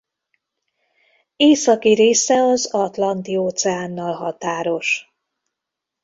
Északi része az Atlanti-óceánnal határos.